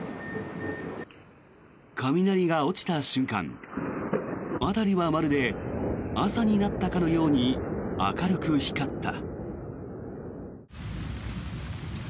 雷が落ちた瞬間辺りはまるで朝になったかのように明るく光った。